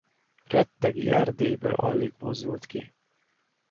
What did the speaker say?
Rettegi Erdélyből alig mozdult ki.